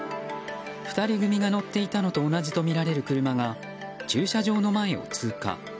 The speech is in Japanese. ２人組が乗っていたのと同じとみられる車が駐車場の前を通過。